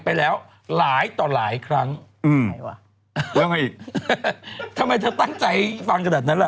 ไปแล้วหลายต่อหลายครั้งแล้วไงอีกทำไมเธอตั้งใจฟังกระดาษนั้นแหละ